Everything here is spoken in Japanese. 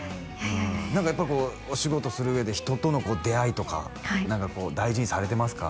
何かやっぱこうお仕事する上で人との出会いとか何かこう大事にされてますか？